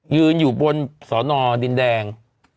ยืนอยู่บนสอนอดินแดง